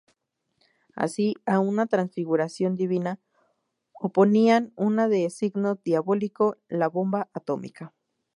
Así a una transfiguración divina oponían una de signo diabólico, la bomba atómica.